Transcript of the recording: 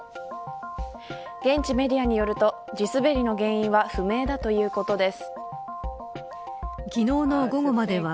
現地メディアによると地滑りの原因は不明だということです。